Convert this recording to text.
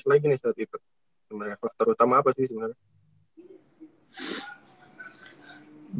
sebenernya faktor utama apa sih sebenernya